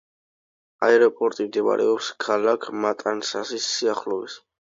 აეროპორტი მდებარეობს ქალაქ მატანსასის სიახლოვეს.